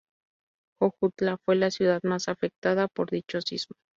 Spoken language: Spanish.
Jojutla fue la ciudad más afectada por dicho sismo.